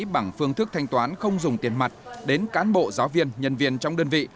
bằng phương thức thanh toán không dùng tiền mặt đến cán bộ giáo viên nhân viên trong đơn vị